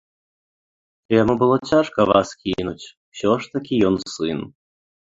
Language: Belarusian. Яму было цяжка вас кінуць, усё ж такі ён сын.